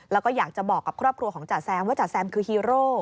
แล้วก็อยากจะบอกกับครอบครัวของจ๋าแซมว่าจ๋าแซมคือฮีโร่